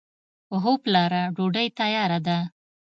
هو پلاره! ډوډۍ تیاره ده.